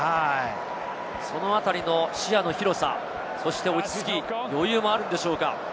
そのあたりの視野の広さ、そして落ち着き、余裕もあるんでしょうか。